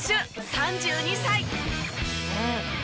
３２歳。